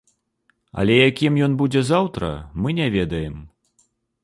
Але якім ён будзе заўтра мы не ведаем.